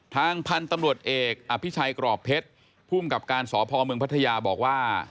ทางพันธุ์ตำรวจเอกอภิชัยกรอบเพชรภูมิกับการสพเมืองพัทยาบอกว่า